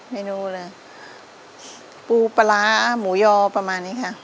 เมนูเลยปูปลาร้าหมูยอประมาณนี้ค่ะ